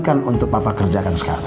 masasa itu ya dik berhentikan